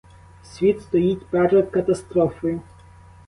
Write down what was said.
Світ стоїть перед катастрофою.